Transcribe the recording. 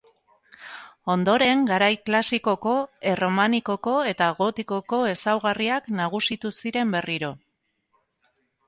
Ondoren garai klasikoko, erromanikoko eta gotikoko ezaugarriak nagusitu ziren berriro.